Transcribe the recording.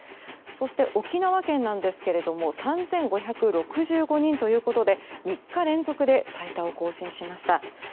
そして沖縄県ですが３５６５人ということで３日連続で最多を更新しました。